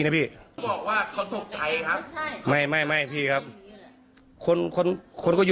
เขาบอกตกใจเพราะว่าด้วยความว่าเขาเป็นพระด้วย